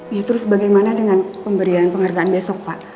ya terus bagaimana dengan pemberian penghargaan besok pak